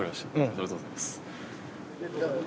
ありがとうございます。